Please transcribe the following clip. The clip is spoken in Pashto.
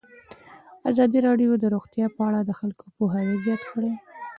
ازادي راډیو د روغتیا په اړه د خلکو پوهاوی زیات کړی.